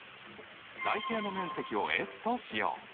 台形の面積をＳとしよう。